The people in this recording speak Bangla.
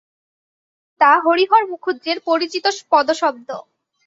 হেমন্তের পিতা হরিহর মুখুজ্যের পরিচিত পদশব্দ।